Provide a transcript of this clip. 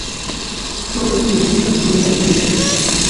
Tom yinjiye mu cyumba afite imyenda yo kumesa